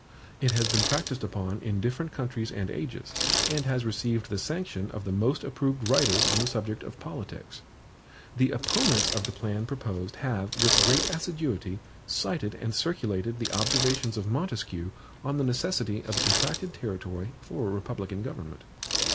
It has been practiced upon in different countries and ages, and has received the sanction of the most approved writers on the subject of politics. The opponents of the plan proposed have, with great assiduity, cited and circulated the observations of Montesquieu on the necessity of a contracted territory for a republican government.